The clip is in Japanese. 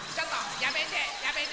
やめてやめて！